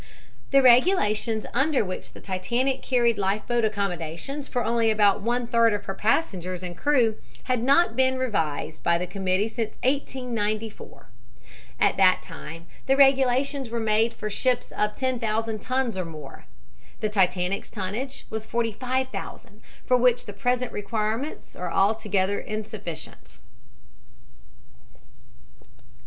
The regulations under which the Titanic carried life boat accommodations for only about one third of her passengers and crew had not been revised by the committee since 1894. At that time the regulations were made for ships of "10,000 tons or more." The Titanic's tonnage was 45,000, for which the present requirements are altogether insufficient.